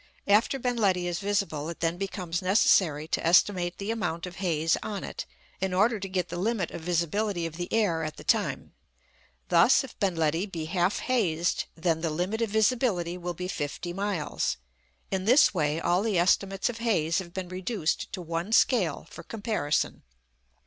After Ben Ledi is visible, it then becomes necessary to estimate the amount of haze on it, in order to get the limit of visibility of the air at the time. Thus, if Ben Ledi be half hazed, then the limit of visibility will be fifty miles. In this way all the estimates of haze have been reduced to one scale for comparison.